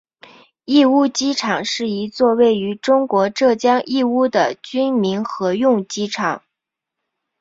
义乌机场是一座位于中国浙江义乌的军民合用机场。